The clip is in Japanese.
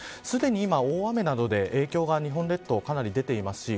すでに大雨などの影響が日本列島に出ています。